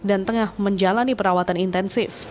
dan tengah menjalani perawatan intensif